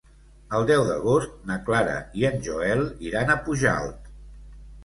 El deu d'agost na Clara i en Joel iran a Pujalt.